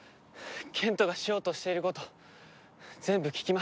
賢人がしようとしていること全部聞きました。